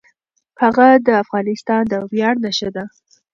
هغه د افغانستان د ویاړ نښه ده.